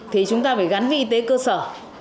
thì chúng ta phải gắn với y tế cơ sở